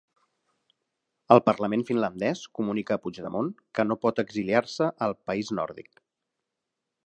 El Parlament finlandès comunica a Puigdemont que no pot exiliar-se al país nòrdic